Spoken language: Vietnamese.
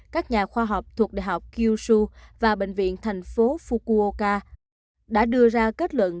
các nhà khoa học thuộc đại học qsu và bệnh viện thành phố fukuoka đã đưa ra kết luận